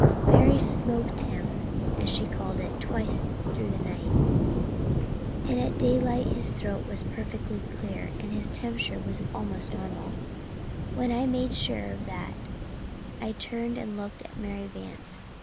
Mary 'smoked him,' as she called it, twice through the night, and at daylight his throat was perfectly clear and his temperature was almost normal. When I made sure of that I turned and looked at Mary Vance.